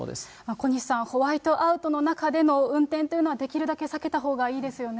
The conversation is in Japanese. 小西さん、ホワイトアウトの中での運転というのは、できるだけ避けたほうがいいですよね。